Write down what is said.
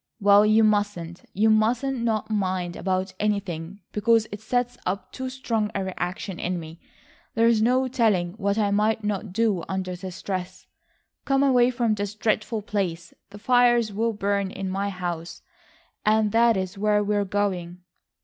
"Well, you mustn't. You must not mind about anything, because it sets up too strong a reaction in me. There's no telling what I might not do under the stress. Come away from this dreadful place. The fires will burn in my house, and that is where we are going."